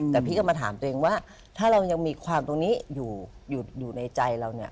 แต่พี่ก็มาถามตัวเองว่าถ้าเรายังมีความตรงนี้อยู่ในใจเราเนี่ย